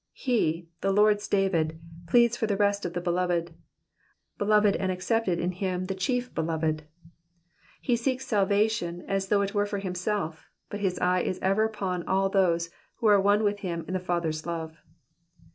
He, the Lord's David, pleads for the rest of the beloved, beloved and accepted in him the Chief Beloved ; he seeks salvation as though it were for himself, but his eye is ever upon all those who are one with him in the Father's love.